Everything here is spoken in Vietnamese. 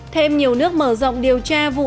thêm nhiều nước mở rộng điều tra vụ